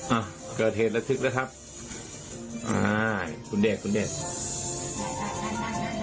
อ่ะเกิดเหตุระทึกแล้วครับอ่าคุณเดชคุณเดช